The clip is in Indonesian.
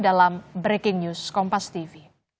bersama kami dalam breaking news kompas tv